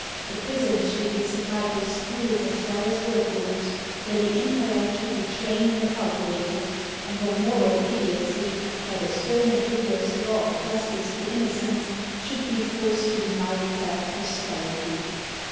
The prisons should be supplied with schools as well as work rooms, where the intellect should be trained and cultivated, and where moral idiocy, by the stern and rigorous law of Justice to Innocence, should be forced to deny itself posterity.